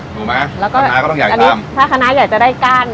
ถูกมั้ยแล้วก็คณะก็ต้องใหญ่ทำอันนี้ถ้าคณะใหญ่จะได้ก้าน